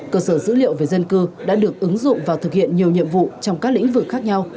cơ sở dữ liệu về dân cư đã được ứng dụng và thực hiện nhiều nhiệm vụ trong các lĩnh vực khác nhau